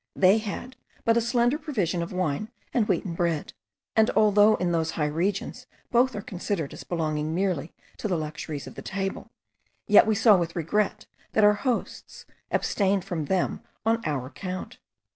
They had but a slender provision of wine and wheaten bread; and although in those high regions both are considered as belonging merely to the luxuries of the table, yet we saw with regret, that our hosts abstained from them on our account.